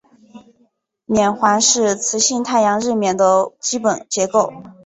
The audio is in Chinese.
冕环是磁性太阳日冕的基本结构。